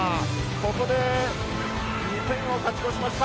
ここで２点を勝ち越しました。